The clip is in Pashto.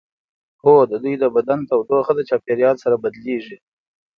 هو د دوی د بدن تودوخه د چاپیریال سره بدلیږي